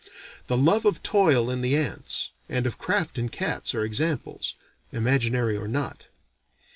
The love of toil in the ants, and of craft in cats, are examples (imaginary or not).